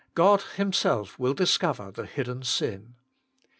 God Himself will discover the hidden sin.